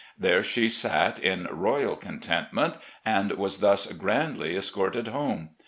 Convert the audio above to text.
There she sat in royal contentment, and was thus grandly escorted home.